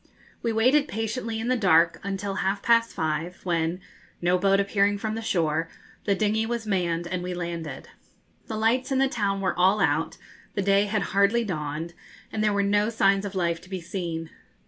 We waited patiently in the dark until half past five, when, no boat appearing from the shore, the dingy was manned and we landed. The lights in the town were all out, the day had hardly dawned, and there were no signs of life to be seen.